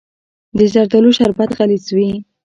د زردالو شربت غلیظ وي.